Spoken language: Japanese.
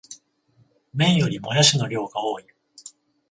麺よりもやしの量が多い